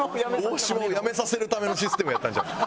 大嶋を辞めさせるためのシステムやったんじゃ。